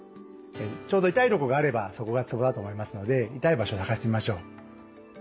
ちょうど痛いとこがあればそこがツボだと思いますので痛い場所を探してみましょう。